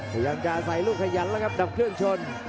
กำลังจะอาศัยลูกขยันแล้วครับดับเคลื่องชน